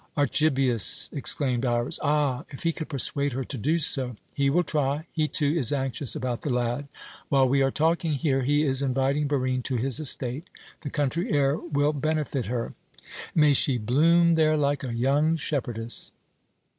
"Archibius?" exclaimed Iras. "Ah! if he could persuade her to do so!" "He will try. He, too, is anxious about the lad. While we are talking here, he is inviting Barine to his estate. The country air will benefit her." "May she bloom there like a young shepherdess!"